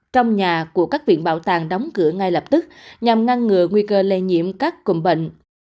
trong nhà của các viện bảo tàng đóng cửa ngay lập tức nhằm ngăn ngừa nguy cơ lây nhiễm các cùng bệnh